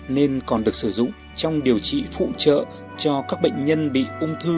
nên còn được sử dụng trong điều trị phụ trợ cho các bệnh nhân bị ung thư hay u bướu